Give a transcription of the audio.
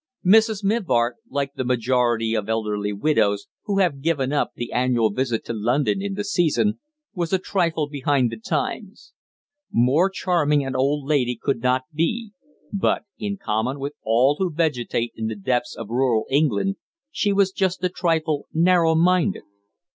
Mrs. Mivart, like the majority of elderly widows who have given up the annual visit to London in the season, was a trifle behind the times. More charming an old lady could not be, but, in common with all who vegetate in the depths of rural England, she was just a trifle narrow minded.